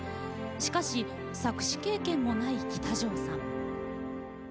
しかし作詞経験もない喜多條さん。